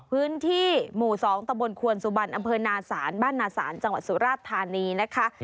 พื้นที่หมู่๒ตะบนควนสุบันอำเภอนาศาลบ้านนาศาลจังหวัดสุราชธานีนะคะ